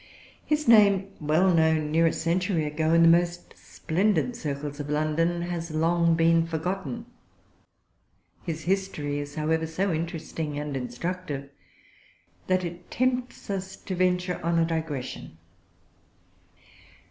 His name, well known, near a century ago, in the most splendid circles of London, has long been forgotten. His history[Pg 341] is, however, so interesting and instructive, that it tempts us to venture on a digression.